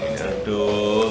tebel hebat dong